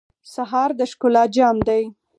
سهار د ښکلا جام دی.